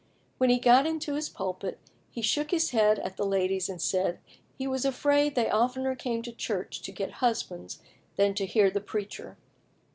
When he got into his pulpit he shook his head at the ladies, and said "he was afraid they oftener came to church to get husbands than to hear the preacher."